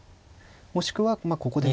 もしくはここで何か。